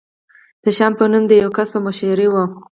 د شیام په نوم د یوه کس په مشرۍ و.